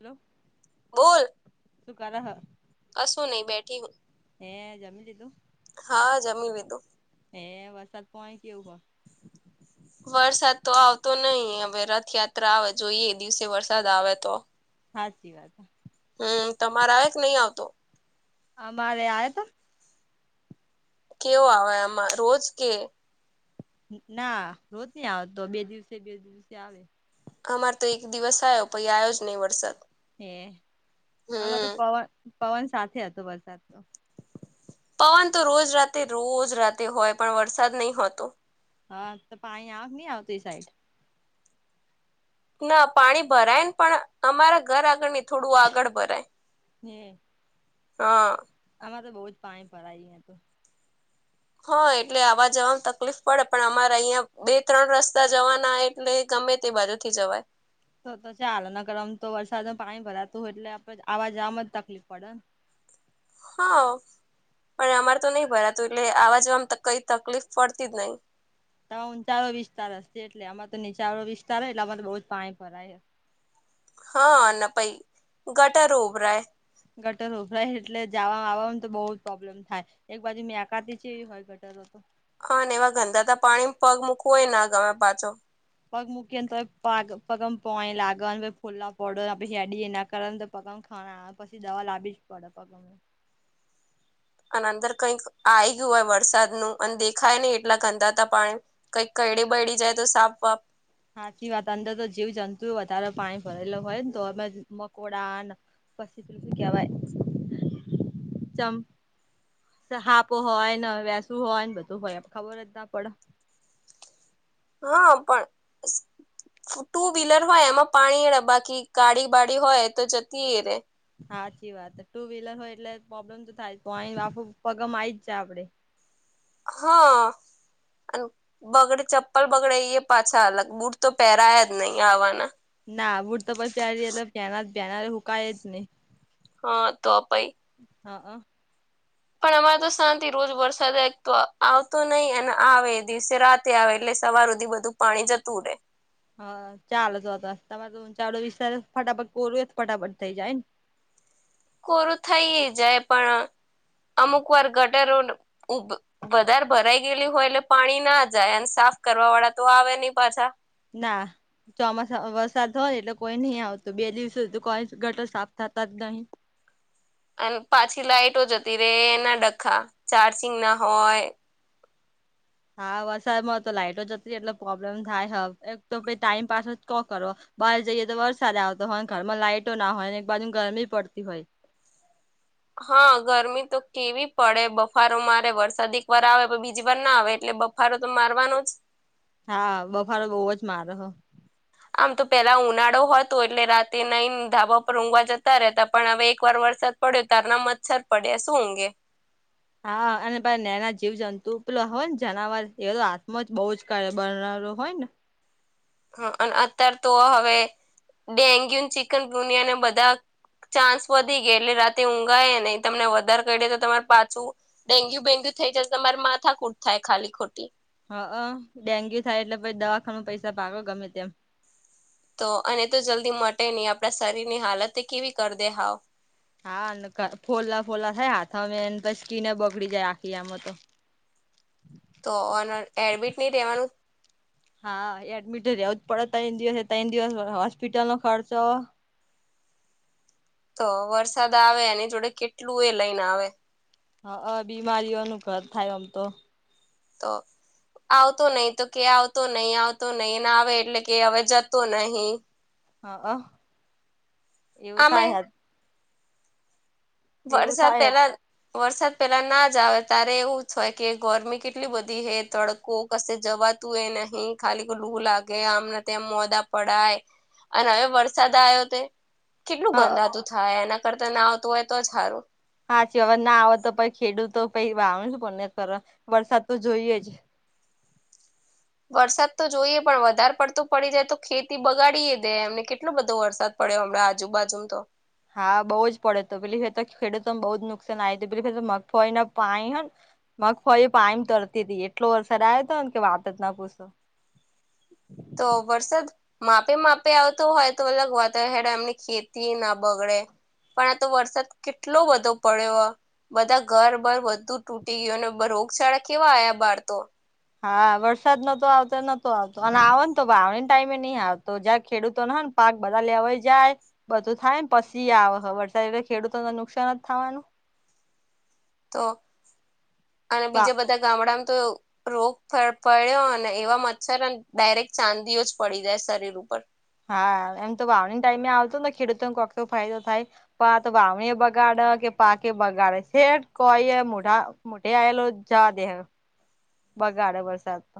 Hello સુ કર હ. કસું નહી બેઠી હું. હે જમી લીધું? હા જમીલીધું. હે વરસાદ પોય કેવું. વરસાદ તો આવતો નહી હવે રથયાત્રા આવે જોઈએ દિવસે વરસાદ આવે તો. સાચી વાત હ. હમ્મ તમારે આવે કે નહી આવતો. અ મારે આવે તો. કેવો આવે આમાં રોજ કે ના રોજ નહી આવે તો બે દિવસે બે દિવસે આવે. અમારે તો એક દિવસ આવ પછી આવ્યો જ નહી વરસાદ. હે આમાં હમ તો પવન પવન સાથે હતો વરસાદ તો. પવન તો રોજ રાતે રોજ રાતે હોય પણ વરસાદ નહીં હોતો. હા તો પાણી આવક નહી આવતી સાઈડ. ના પાણી ભરાય ને પણ અમારા ઘર આગળની થોડું આગળ ભરાય. હે હ. આમાં તો બહુ જ પાણી ભરાય. હા એટલે આવા જવાવામાં તકલીફ પડે પણ અમારે અહિયાં બે ત્રણ રસ્તા જવાના એટલે ગમે તે બાજુ થી જવાય. તો તો ચાલ નગર આમ તો વરસાદમાં પાણી ભરાતું હોય એટલે આપ આવા જવા જ તકલીફ પડે ને. હા પણ અમારે તો નહી ભરાતું એટલે આવા જવામાં કઈ તકલીફ પડતી જ નહી. ત ઊંચાળો વિસ્તાર હશે એટલે આમાં તો નીચાવાળો વિસ્તાર એટલે અમા તો બહુ જ પાણી ભરાય છે. હા ના પાઈ ગટર ઉભરાય. ગટર ઉભરાય એટલે જવામાં આવવાવામાં તો બહુ જ પ્રોબ્લેમ થાય એક બાજુ મેં આતીવી હોય બેટર હતો. હા ને એવા ગંદાતા પાણી પગ મૂકવું હોય ગમે પાછો. પગ મૂકીને તો પગ પગ પોય લાગવા ફુલ્લા પડ પછ શેડી એના કર પગ ખાના પછી દવા લાવી જ પડે પગમે. અને અંદર કઈક આ ગયું હોય વરસાદ ન અને દેખાય નહી એટલા ગંદાતા પાણી કઈ કડીે બઢડી જાય તો સાપ બાપ. સાચી વાત અંદર તો જીવ જંતુ વધારે પાણી ભરેલ હોય ને તો અમે મકોડા પછી બિલકુ કેવાયમ હાપ હોય ને વેસું હોય ને બધું હોય ખબર જ ના પડે. હા પણ ટુ વ્હીલર હોય એમાં પાણી બાકી ગાડી વાડી હોય તો જતી એ રે. હા સાચી વાત ટુ વ્હીલર હોય એટલે પ્રોબ્લેમ તો થાય તો અ પગમ આવી જ જ આપડે. હા અને બગડે ચપ્પલ બગડે એ પાછા અલગ બૂટ તો પહેરાયા જ નહીં આવાના. ના બૂટ તો પણ પ્યારીએ તો પ્યારવા પ્યારવા હુકાય જ નઈ. હા તો પઈ. હ. પણ અમારે તો શાંતિ રોજ વરસાદ તો આવતો નહી અને આવે એ દિવસે રાત થી આવે એટલે સવાર સુધી બધું પાણી જતું રહેે. હા ચાલ તોત તમાર ઉચાલો વિસ્તાર ફટાફટ કોરું ફટાફટ થઈ જાય ને કોરું થઈ જાય પણ અમુક વાર ગટરો ઉભ વધારે ભરાઈ ગયેલી હોય એટલે પાણી ના જાય અને સાફ કરવા વાળા તો આવે નહી પાછા ના ચોમાસા વરસાદ હોયને એટલે કોઈ નહી આવતું બે દિવસ સુધી કોઈ ગટર સાફ થતા જ નહી. અને પાછી લાઈટો જતી રે એના ડખા ચાર્જિંગ ના હોય હા, વરસાદમાં તો લાઈટો જતી રહી એટલે પ્રોબ્લેમ થાય હવે એક તો ટાઈમ પાસ જ કો કરો બહાર જઈએ તો વરસાદ આવતો હોય ઘરમાં લાઈટો ના હોય ને એક બાજુ ગરમી પડતી હોય. હા ગરમી તો કેવી પડે બફારો મારે વરસાદ એક વાર આવે પણ બીજી વાર ના આવે એટલે બ ફારો તો મારવાનો જ હા બફારો બહુ જ માર હ આમ તો પેલા ઉનાળો હતો એટલે રાતે નઈ ધાબા પર ઊંઘવા જતા રહેતા પણ હવે એકવાર વરસા પડ્યો તારના મચ્છર પડ્યા શું ઊઘે હા અને પાછા નાના જીવ જંતુ પેલા હોય ને જનાવર એ તો હાથ માં જ બહુ જ કર બરા રો હોય ને હ અને અત્યાર તો હવે ડેન્ગ્યુ ચિકન પુનિયા અને બધા ચાન્સ વધી ગયા એટલે રાતે ઊંઘાાય નહી તમને વધારે કરીએ તો તમારે પાછુ. ડેન્ગ્યુ બેેન્ગ્યુ થઈ જશે તમારી માથા કૂટ થાય ખાલી ખોટી હ અ ડેન્ગ્યુ થાય એટલે પછી દવાખાનું પૈસા ભાગો ગમે તેમ તો અને તો જલ્દી મટે નહી, આપણા શરીર ની હાલત કેવી કરી દે હાવ. હા ફોલા ફોલા થાય હાથમે એને પછી સ્કીને બગડી જાય આખી આમાં તો તો ઓન એડમિટ નહીં રહેવાનું હા એડમિટ રેવું જ પડે ત્રણ દિવસે ત્રણ દિવસ હોસ્પિટલ નો ખર્ચો તો વરસાદ આવે એની જોડે કેટલું એ લઈને આવે હા બીમારીઓનું ઘર થાય આમ તો તો આવતો નહી તો કે આવતો નહી આવતો નહી આવે એટલે કે હવે જતો નહી. હ હ હા એવું આમે થાય હે એવું વરસાદ થાય પેલા વરસાદ પેલા ના જ આવે ત્યારે એવું હોય કે ગરમી કેટલી બધી હે તડકો કો કશે જવાતું એ નહી, ખાલી લું લાગે આમને ત્યા મોદા પડાય અને હવે વરસાદ આવ્યો તે કેટલું હા ગંદાતું થાય, એના કરતા ના આવતું હોય તો જ સારુ હા છે હવે ના આવેત તો છે, ખેડૂતો તો પછી વાવું પને વરસાદ તો જોઈએ જ વરસાદ તો જોઈએ પણ વધારે પડતું પડી જાય, તો ખેતી બગાડીએ દે એમને કેટલો બધો વરસાદ પડ્યો હમણા આજુબાજુ તો હા બઉ જ પડે તો પેલી ફેર તો ખેડૂતોને બઉ જ નુકસાન આ પે તો મગફળી ના પાણી હો ને મગફળી પાણીમાં તરતી હતી એટલો વરસાદ આયો હતો ને કે વાત જ ના પૂછો તો વરસાદ માપે માપે આવતો હોય, તો અલગ વાતા હે એમની ખેતી ના બગડે પણ આ તો વરસાદ કેટલો બધો પડ્યો બધા ઘર બર બધું તૂટી ગયું ને રોગચાળા કેવા આવ્યા બહાર તો હા, વરસાદ નતો આવતો નતો આવતો અને આવને તો વાવણીને ટાઈમે નહી આવતો જ્યાંરે ખેડૂતો ને પાક બધા લેવાઈ જાય બધું થાય ને પછી આવે વરસાદ એટલે ખેડૂતોને નુકસાન જ થવાનુ તો અને વા બીજા બધા ગામડામાં તો રોગ પડ પડ્યો અને એવા મચ્છરને ડાયરેક્ટ ચાંદીઓ જ પડી જાય શરીર ઉપર હા એમ તો વાવણી ટાઈમે આવતો ને ખેડૂતો કોકો ફાયદો થાય. પા તો વાાવણી બગાડે કે પાકે બગાડે છેે, કહી મોઢા મોટે આયલો જા દે હ બગાડે વરસાદ તો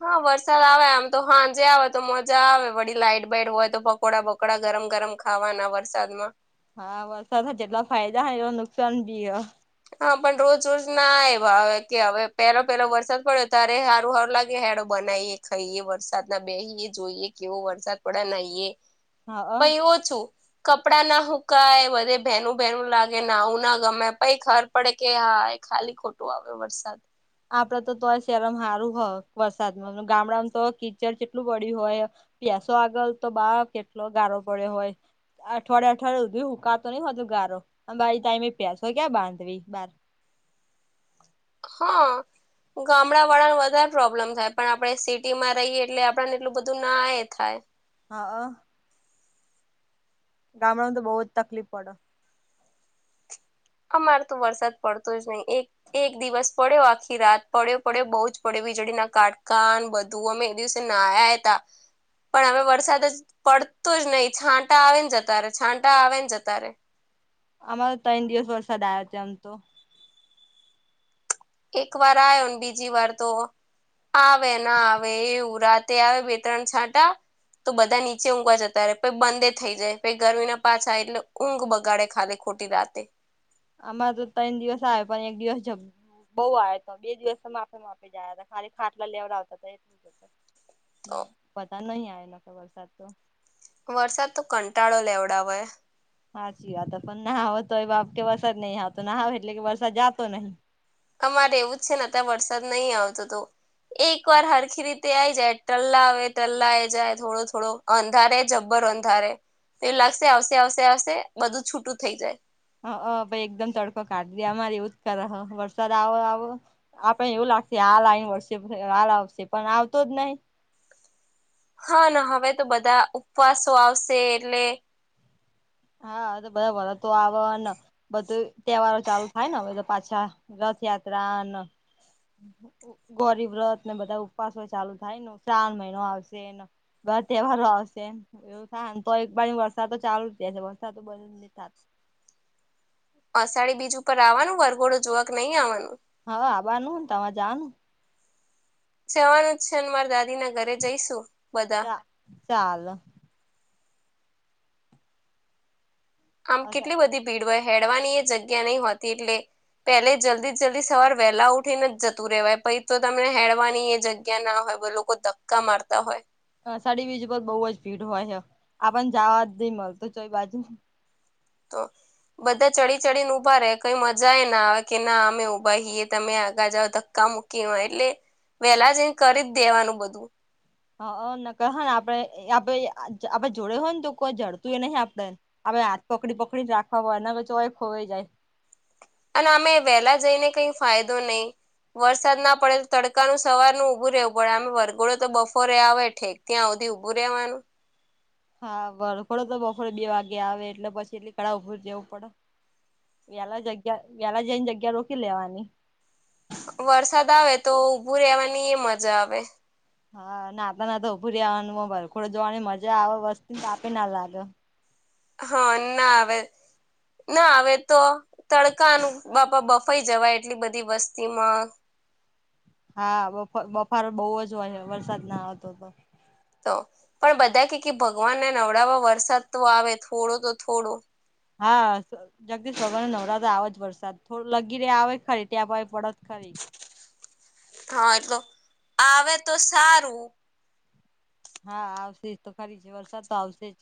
હા વરસાદ આવે આમ તો હાંજે આવે તો મજા આવે વળી લાઈટ બાઈટ હોય તો પકોડા બકડો ગરમ ગરમ ખાવાના વરસાદમાં હા વરસાદ જેટલા ફાયદા એ નુકસાનબી હ હા પણ રોજ રોજના એ હવે કે હવે પેલો પેલો વરસાદ પડ્યો ત્યારે સારું સારું લાગે હેડો બનાવીએ ખાઈએ વરસાદ ના બેહીએ જોઈએ કેવો વરસાદ પડ્યા નહીએ હા પહી ઓછું. કપડા ના હુંકાય બધે ભેનું ભેનું લાગે નાવું ના ગમે પહી ખબર પડે કે હા એ ખાલી ખોટું આવે વરસાદ આપડે તો તો શહેમાં સારું હોય વરસાદમાં ગામડામાં તો કીચડ જેટલું પડ્યું હોય. ભેંસો આગળ તો બા કેટલો ગારો પડ્યો હોય. અઠવાડિયે અઠવાડિયે સુધી હુકાતો નહીં હોતો ગારો તાઈમે પસો ક્યાં બાંધવી બાર હા. ગામડાવાળાને વધારે પ્રોબ્લેમ થાય પણ આપણે સિટી માં રહીએ એટલે આપણને એટલું બધું ના એ થાય. હા. ગામડાને તો બહુ જ તકલીફ પડે. અમારે તો વરસાદ પડતો જ નહી એક એક દિવસ પડ્યો આખી રાત પડ્યો પડ્યો બહુ જ પડ્યો વીજળીના કાંટકા બધું બધું અમે એ દિવસએ નાહ્યા તા પણ હવે વરસાદ જ પડતો જ નહી છાંટા આવે ને જતા રે છાંટા આવેને જતા રેગ અમારે ત્રણ દિવસ વરસાદ આવયો છે આમ તો એકવાર આયો બીજી વાર તો આવે ના આવે એ એવું રાત્રે આવે બે ત્રણ છાંટા તો બધા નીચે ઊંઘવા જતા રહે પ બંદે થઈ જાય પ ગરમી ના પાછા એટલે ઊંઘ બગાડે ખાલી ખોટી રાતે અમારે તો ત્રણ દિવસ આવે પણ એક દિવસ જ બોવ આયોતો બે દિવસ માફ માપી જયા હતા ખાલી ખાટલા લેવડ આવતા હતા એટલું ના તો વધાર નહી આવેલો કે વરસાદ તો. વરસાદ તો કંટાળો લેવડાવે. સાચી વાત પણ ના આવે તોય બાપ કે વરસાદ નહીં આવે તો નાહ આવે એટલે કે વરસાદ જાતો નહીં. અમારે એવું જ છે ને અત્યારે વરસાદ નહીં આવતો તો એકવાર હરખી રીતે આઈ જાય ટલ્લા આવે ટલા એ જાય થોડો થોડો અંધારે જબ્બર અંધારે તો લાગશે આવશે આવશે આવશે બધું છૂટું થઈ જાય. હ પહીઁ એકદમ તડકો કાઢદે અમારે એવું જ કર વરસાદ આવ આવ. આપણ એવું લાગશે હ લને વડશે હાલ આવશે પણ આવતો જ નહી. હા ના હવે તો બધા ઉપવાસો આવશે એટલે. હા તો બધા વરતો આવેને બધું તહેવારો ચાલુ થાય ને હવે તો પાછા રથયાત્રાન ગૌરીવ્રતને બધા ઉપવાસો ચાલુ થાય શ્રાવણ મહિનો આવશે. બધા તહેવારો આવશે એવું થાય ને તો એકવાર વરસાદ તો ચાલુ દે તો વરસાદ તો ચાલુ અષાઢી બીજ ઉપર આવવાનું વરઘોડો જોવા કે નહી આવવાનું? હા આવવાનું ને તમાર જવાનું. જવાનું જ છે ને મારા દાદી ના ઘરે જઈશું બધા. ચા ચાલ. આમ કેટલી બધી ભીડ હોય હેડવાની એ જગ્યા નહ હોતી એટલે. પેલે જલ્દી જલ્દી સવાર વેહલા ઉઠીને જ જતું રહેવાય પછ તો તમને હેડવાની એ જગ્યા ના હોય બોલો કોઈ ધક્કા મારતા હોય. અષાઢી બીજ પર બોવ જ ભીડ હોય છે આપણ જવા જ નહી મળતું ચોય બાજુ. તો. બધા ચડી ચડી ને ઊભા રહેે કઈ મજા એ ના આવે કે ના અમે ઉભાએ તમે આગળ જાવ ધક્કા મ કવાય એટલે વેલા જ એ કરી જ દેવાનું બધું હ ક હોય ને આપડે આપે આપડણે જોડે હોય ને તો કોઈ જડતું એ નહ આપડે હવે હાથ પકડી પકડીને રાખવા હોય એના ચોય ખોવાઈ જાય અને અમે વહેલા જઈને કઈ ફાયદો નહી વરસાદ ના પડે તો તડકાનું સવારનું ઉભું રહેવું પડે વરઘોડો તો બફોરે આવે ઠેક ત્યાં હુધી ઊભું રહેવાનું હા વરધોડો તો બપોરે બે વાગે આવે એટલે પછી એટલી કળા ઉભુજ રેવું પડે વ્યાલા જગ્યા વ્યાલા જઈને જગ્યા રોકી લેવાની વરસાદ આવે તો ઊભું રવાની એ મજા આવે હા નાતા નાતા ઉભુ રેવાનું આવવાનું ભરઘોડા જોવાની મજા આવે વસ્તતી ને આપી ના લાગે હા ના આવે ના આવે તો તડકાનું બાપા બફાઈ જવાય એટલી બધી વસ્તીમાં હા બ બફારો બહુ જ હોય છે વરસાદ ના હતો તો તો પણ બધા કે ભગવાનને નવડાવા વરસાદ તો આવે થોડો તો થોડો હા જગદીશ સવારે નવરાંવા આવે જ વરસાદ થોડો લગી રહ્યા આવે ખરી ત્યાં ભાવ પડત ખરી હા એટલો આવે તો સારું હા આવશે જ તો ખરી છે વરસાદ તો આવશે જ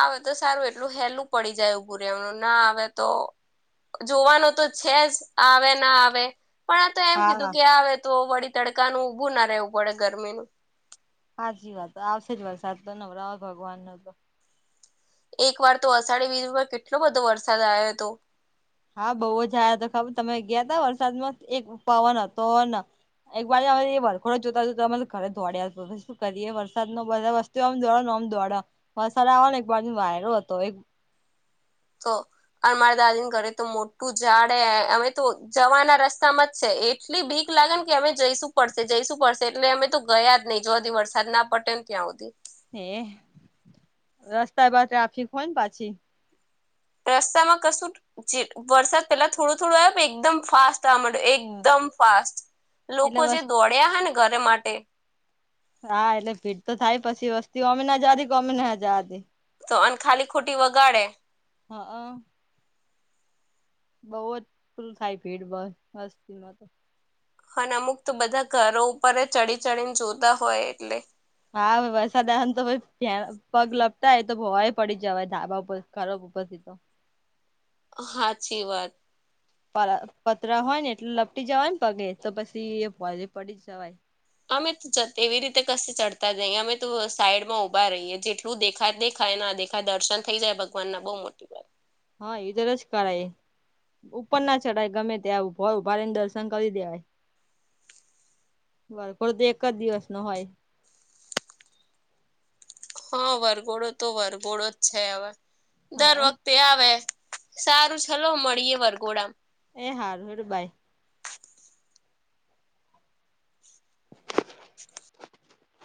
આવે તો સારું એટલું હેલું પડી જાય ઉભું રહે રહેવાનું ના આવે તો જોવાનું તો છે જ આવે ના આવે પણ આ તો એમ કીધું હા કે આવે તો વળી તડકાનું ઊભું ના રહેવું પડે ગરમીનુ સાચી વાત આવશે જ વરસાદ તો નવરવા ભગવાન નો તો એક વાર તો અષાઢી વીજમાં કેટલો બધો વરસાદ આવ્યો હતો હા બઉુ જ આ તો ખબર તમે ગયા ત વરસાદમાં એક પાવન હતોને એક વાર અ વરખોડો જોતા તો અરે ઘરે દોડ આવતો હ શું કરીએ વરસાદનો બધસ્ ત આમ દોડ ને આમ દોડ વરસાદ આવાનો એક બાયરો હકતી વાયરો હતો એક તો મારા દાદીને ઘરે તો મોટું ઝાડે અમે તો જવાના રસ્તામાં જ છે એ એટલી ભીક લાગે ને કે અમે જઈશું પડશે જઈશું પડશે એટલે અમે તો ગયા જ નહી જોધી વરસાદ ના પડટે ને ત્યાં સુધી હે રસ્તા પર ટ્રાફિક હોય ને પાછી રસ્તામાં કશું જે વરસાદ પેલા થોડું થોડું આવ પ એકદમ ફાસ્ટ આવા માંડ એકદમ ફાસ્ટ એટલે લોકો જે બસ દોડ્યા હે ને ઘરે માટે હા એટલે ભીડ તો થાય પછી વસ્તી અમે ના જતી કે અમે ના જતી તો અને ખાલી ખોટી વગાડે હા હા બઉુ જ પેલું થાય ભીડ બસ બસ્તી મા તો હ અમુક તો બધા ઘરો ઉપર ચડી ચડીને જોતા હોય એટલે હા ભ વરસાદ આન તો પગ લપતાય તો ભવાય પડી જવાય ધાબા ઉપર ખરોબ ઉપર થી તો સાાચી વાત પતરા હોય ને એટલે લપટી જવાય ને પગે તો પછી એ વ પડી જવાય અમે એવી રીતે કશ ચડતા જઈ અમે તો સાઈડ માં ઊભા રહીએ જેટલું દેખાય દેખાય ના દેખાય દર્શન થઈ જાય ભગવાન ના બહુ મોટી વાત હા એધર જ કરાય ઉપર ના ચઢાય ગમે ત્યાં ઉભા ઉભા રે ને દર્શન કરી દેવાય વરઘોડો તો એક જ દિવસ નો હોય હા વરઘોડો તો વરઘોડો જ છે હવે હ દર વખતે તે આવે સારું છેલો મળીએ વરઘોડામા એ હાર રુ હ બાઈ [inaudible]